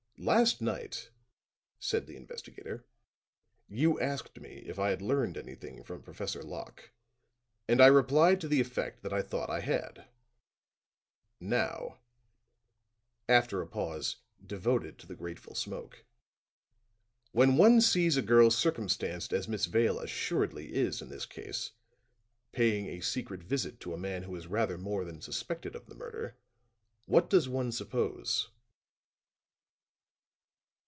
"Last night," said the investigator, "you asked me if I had learned anything from Professor Locke. And I replied to the effect that I thought I had. Now," after a pause, devoted to the grateful smoke, "when one sees a girl circumstanced as Miss Vale assuredly is in this case, paying a secret visit to a man who is rather more than suspected of the murder, what does one suppose?"